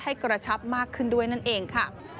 กระชับมากขึ้นด้วยนั่นเองค่ะ